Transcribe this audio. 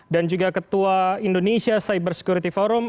dan juga ketua indonesia cyber security forum